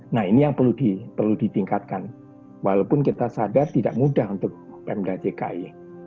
nah ini yang perlu ditingkatkan walaupun kita sadar tidak mudah untuk pemda dki